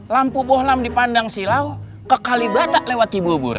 lampu bohlam dipandang silau kekali bata lewat ibu bur